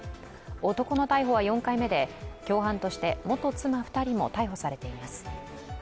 男の逮捕は４回目で共犯として元妻２人も逮捕されています。